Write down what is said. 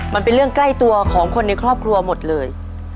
มันเป็นเรื่องใกล้ตัวของคนในครอบครัวหมดเลย